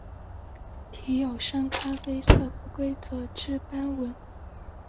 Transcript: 体有深咖啡色不规则之斑纹。